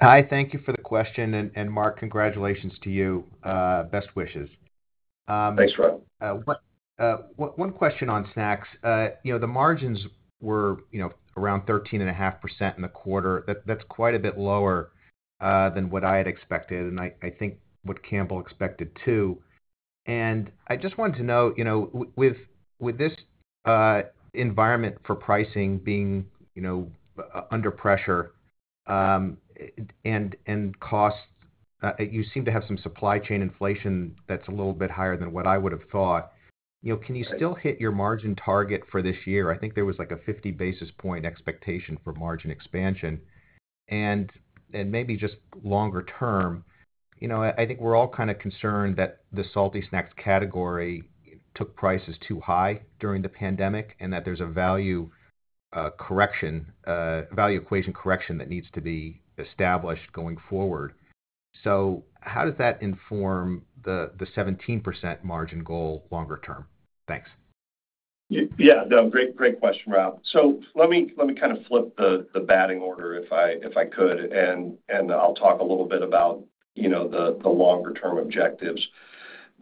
Hi. Thank you for the question. And Mark, congratulations to you. Best wishes. Thanks, Rob. One question on snacks. The margins were around 13.5% in the quarter. That's quite a bit lower than what I had expected, and I think what Campbell expected too. And I just wanted to know, with this environment for pricing being under pressure and costs, you seem to have some supply chain inflation that's a little bit higher than what I would have thought. Can you still hit your margin target for this year? I think there was like a 50 basis points expectation for margin expansion. And maybe just longer term, I think we're all kind of concerned that the salty snacks category took prices too high during the pandemic and that there's a value equation correction that needs to be established going forward. So how does that inform the 17% margin goal longer term? Thanks. Yeah. No, great question, Rob. So let me kind of flip the batting order if I could, and I'll talk a little bit about the longer-term objectives.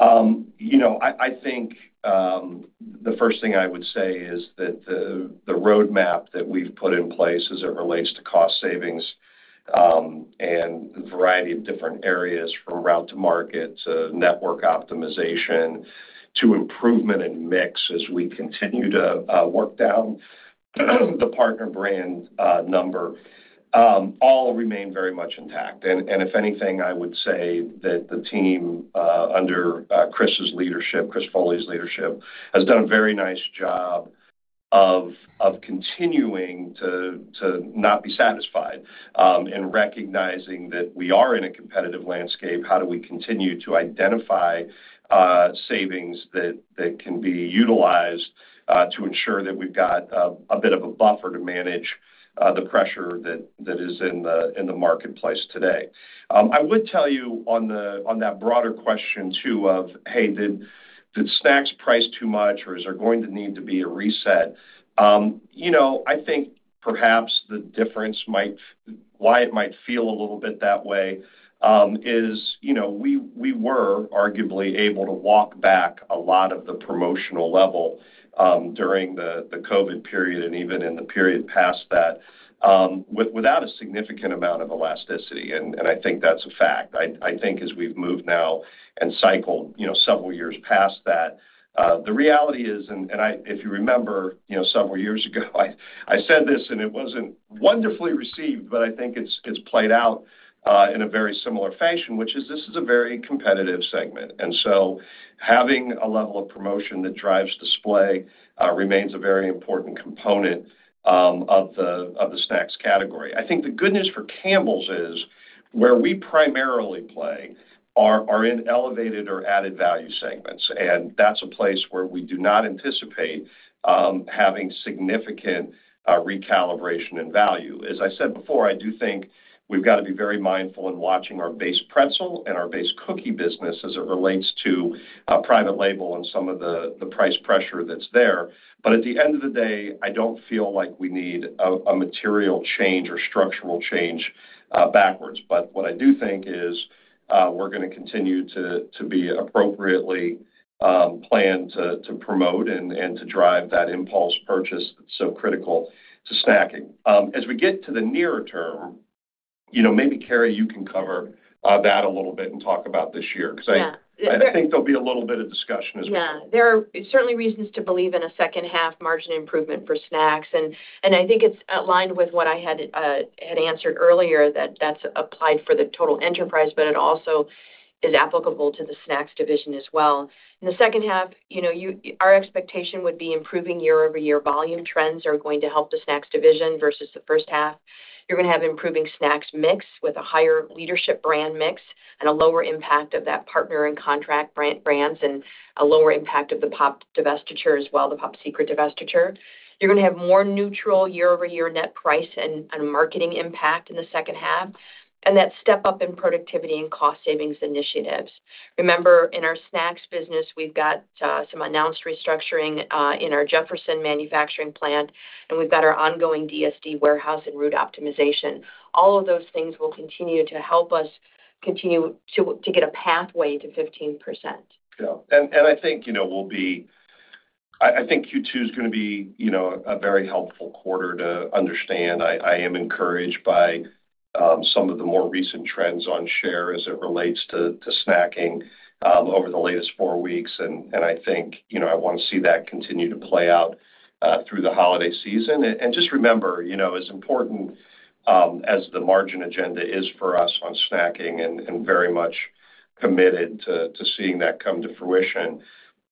I think the first thing I would say is that the roadmap that we've put in place as it relates to cost savings and the variety of different areas from route to market to network optimization to improvement and mix as we continue to work down the partner brand number all remain very much intact. And if anything, I would say that the team under Chris's leadership, Chris Foley's leadership, has done a very nice job of continuing to not be satisfied and recognizing that we are in a competitive landscape. How do we continue to identify savings that can be utilized to ensure that we've got a bit of a buffer to manage the pressure that is in the marketplace today? I would tell you on that broader question too of, "Hey, did snacks price too much, or is there going to need to be a reset?" I think perhaps the difference might why it might feel a little bit that way is we were arguably able to walk back a lot of the promotional level during the COVID period and even in the period past that without a significant amount of elasticity. And I think that's a fact. I think as we've moved now and cycled several years past that, the reality is, and if you remember several years ago, I said this and it wasn't wonderfully received, but I think it's played out in a very similar fashion, which is this is a very competitive segment. And so having a level of promotion that drives display remains a very important component of the snacks category. I think the good news for Campbell's is where we primarily play are in elevated or added value segments. And that's a place where we do not anticipate having significant recalibration in value. As I said before, I do think we've got to be very mindful in watching our base pretzel and our base cookie business as it relates to private label and some of the price pressure that's there. But at the end of the day, I don't feel like we need a material change or structural change backwards. But what I do think is we're going to continue to be appropriately planned to promote and to drive that impulse purchase that's so critical to snacking. As we get to the nearer term, maybe Carrie, you can cover that a little bit and talk about this year because I think there'll be a little bit of discussion as well. Yeah. There are certainly reasons to believe in a second-half margin improvement for snacks. And I think it's aligned with what I had answered earlier that that's applied for the total enterprise, but it also is applicable to the snacks division as well. In the second half, our expectation would be improving year-over-year volume trends are going to help the snacks division versus the first half. You're going to have improving snacks mix with a higher leadership brand mix and a lower impact of that partner and contract brands and a lower impact of the Pop Secret divestiture as well, the Pop Secret divestiture. You're going to have more neutral year-over-year net price and marketing impact in the second half and that step up in productivity and cost savings initiatives. Remember, in our snacks business, we've got some announced restructuring in our Jefferson manufacturing plant, and we've got our ongoing DSD warehouse and route optimization. All of those things will continue to help us continue to get a pathway to 15%. Yeah. And I think Q2 is going to be a very helpful quarter to understand. I am encouraged by some of the more recent trends on share as it relates to snacking over the latest four weeks. And I think I want to see that continue to play out through the holiday season. And just remember, as important as the margin agenda is for us on snacking and very much committed to seeing that come to fruition,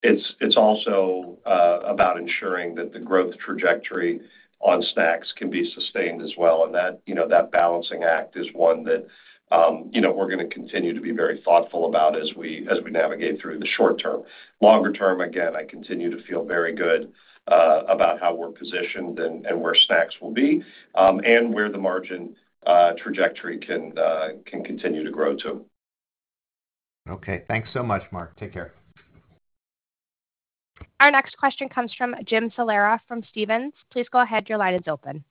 it's also about ensuring that the growth trajectory on snacks can be sustained as well. And that balancing act is one that we're going to continue to be very thoughtful about as we navigate through the short term. Longer term, again, I continue to feel very good about how we're positioned and where snacks will be and where the margin trajectory can continue to grow too. Okay. Thanks so much, Mark. Take care. Our next question comes from Jim Salera from Stephens. Please go ahead. Your line is open.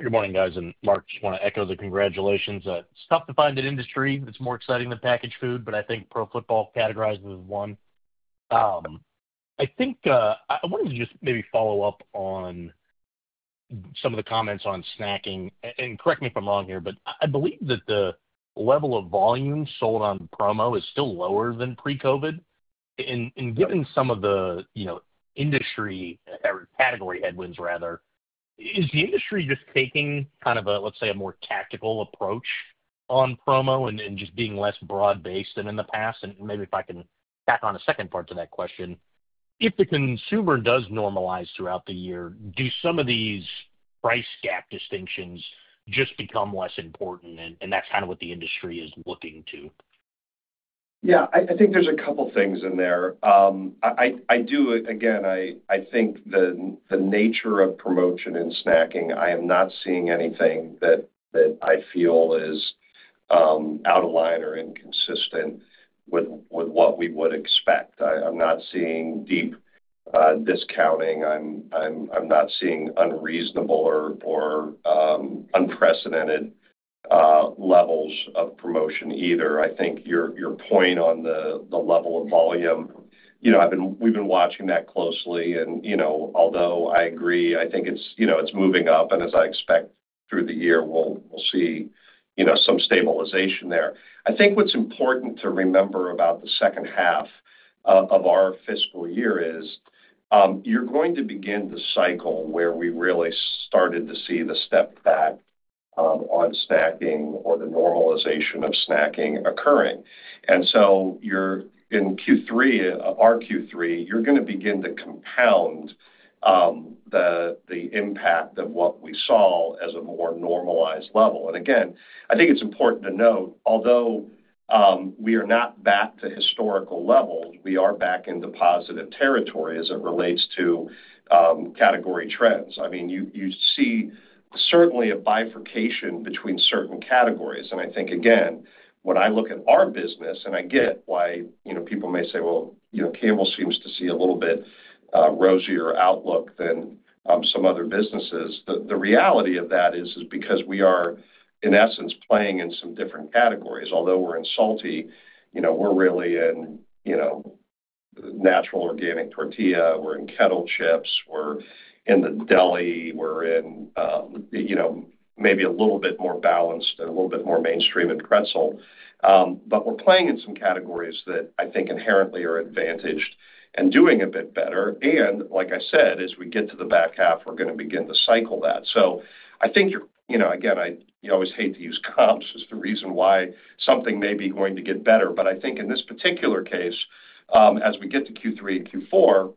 Good morning, guys. And Mark, just want to echo the congratulations. It's tough to find an industry that's more exciting than packaged food, but I think pro football categorizes as one. I wanted to just maybe follow up on some of the comments on snacking. And correct me if I'm wrong here, but I believe that the level of volume sold on promo is still lower than pre-COVID. And given some of the industry category headwinds, rather, is the industry just taking kind of a, let's say, a more tactical approach on promo and just being less broad-based than in the past? And maybe if I can tack on a second part to that question, if the consumer does normalize throughout the year, do some of these price gap distinctions just become less important? And that's kind of what the industry is looking to. Yeah. I think there's a couple of things in there. Again, I think the nature of promotion in snacking. I am not seeing anything that I feel is out of line or inconsistent with what we would expect. I'm not seeing deep discounting. I'm not seeing unreasonable or unprecedented levels of promotion either. I think your point on the level of volume, we've been watching that closely. And although I agree, I think it's moving up. And as I expect through the year, we'll see some stabilization there. I think what's important to remember about the second half of our fiscal year is you're going to begin the cycle where we really started to see the step back on snacking or the normalization of snacking occurring. And so in Q3, our Q3, you're going to begin to compound the impact of what we saw as a more normalized level. I think it's important to note, although we are not back to historical levels, we are back into positive territory as it relates to category trends. I mean, you see certainly a bifurcation between certain categories. And I think, again, when I look at our business, and I get why people may say, "Well, Campbell's seems to see a little bit rosier outlook than some other businesses." The reality of that is because we are, in essence, playing in some different categories. Although we're in salty, we're really in natural organic tortilla. We're in Kettle chips. We're in the deli. We're in maybe a little bit more balanced and a little bit more mainstream and pretzel. But we're playing in some categories that I think inherently are advantaged and doing a bit better. And like I said, as we get to the back half, we're going to begin to cycle that. So I think, again, I always hate to use comps as the reason why something may be going to get better. But I think in this particular case, as we get to Q3 and Q4,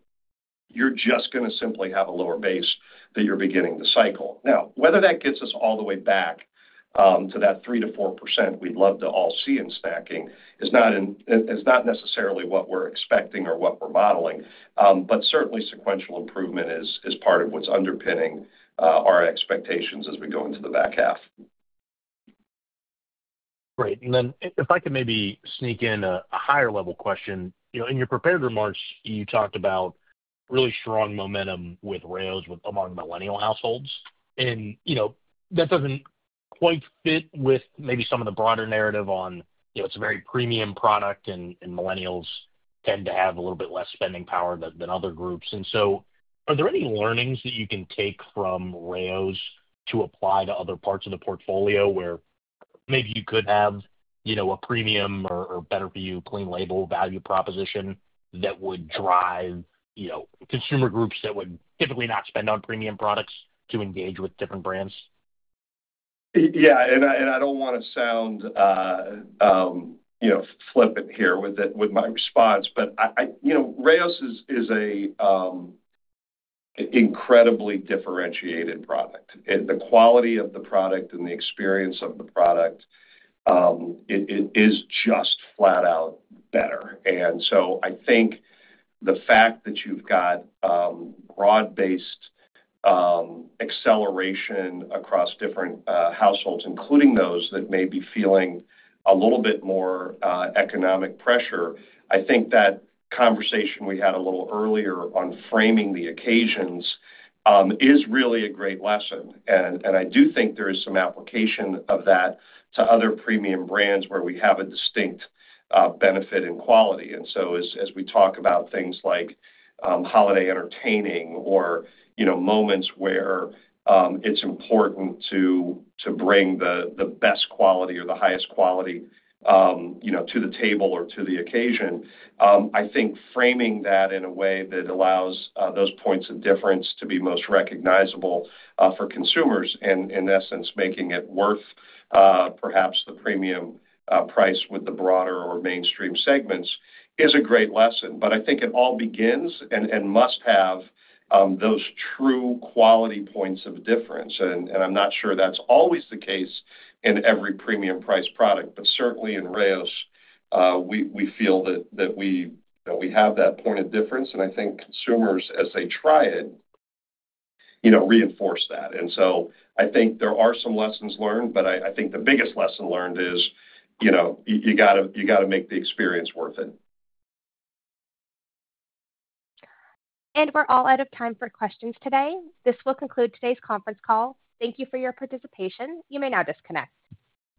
you're just going to simply have a lower base that you're beginning to cycle. Now, whether that gets us all the way back to that 3%-4% we'd love to all see in snacking is not necessarily what we're expecting or what we're modeling. But certainly, sequential improvement is part of what's underpinning our expectations as we go into the back half. Great. And then if I could maybe sneak in a higher-level question. In your prepared remarks, you talked about really strong momentum with Rao's among millennial households. And that doesn't quite fit with maybe some of the broader narrative on, it's a very premium product, and millennials tend to have a little bit less spending power than other groups. And so are there any learnings that you can take from Rao's to apply to other parts of the portfolio where maybe you could have a premium or better-for-you, clean label value proposition that would drive consumer groups that would typically not spend on premium products to engage with different brands? Yeah. And I don't want to sound flippant here with my response, but Rao's is an incredibly differentiated product. The quality of the product and the experience of the product is just flat-out better. And so I think the fact that you've got broad-based acceleration across different households, including those that may be feeling a little bit more economic pressure, I think that conversation we had a little earlier on framing the occasions is really a great lesson. And I do think there is some application of that to other premium brands where we have a distinct benefit in quality. And so as we talk about things like holiday entertaining or moments where it's important to bring the best quality or the highest quality to the table or to the occasion, I think framing that in a way that allows those points of difference to be most recognizable for consumers and, in essence, making it worth perhaps the premium price with the broader or mainstream segments is a great lesson. But I think it all begins and must have those true quality points of difference. And I'm not sure that's always the case in every premium-priced product, but certainly in Rao's, we feel that we have that point of difference. And I think consumers, as they try it, reinforce that. And so I think there are some lessons learned, but I think the biggest lesson learned is you got to make the experience worth it. And we're all out of time for questions today. This will conclude today's conference call. Thank you for your participation. You may now disconnect.